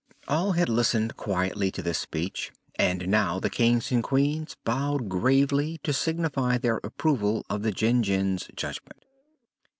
All had listened quietly to this speech and now the Kings and Queens bowed gravely to signify their approval of the Jinjin's judgment.